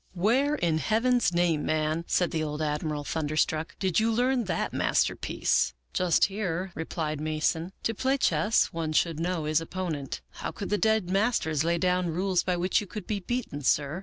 "' Where in Heaven's name, man,' said the old Admiral, thunderstruck, 'did you learn that masterpiece?' "' Just here,' replied Mason. ' To play chess, one should know. his opponent. How could the dead masters lay down rules by which you could be beaten, sir?